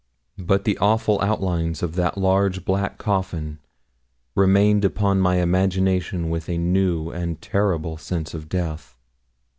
But the awful outlines of that large black coffin remained upon my imagination with a new and terrible sense of death.